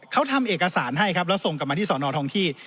เขาทำเอกสารให้ครับแล้วส่งกลับมาที่สอนอทองที่